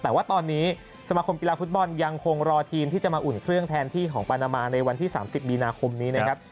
แต่ว่าตอนนี้สมาคมกีฬาฟุตบอลยังคงรอทีมที่จะมาอุ่นเครื่องแทนที่ของปานามาในวันที่๓๐มีนาคมนี้นะครับ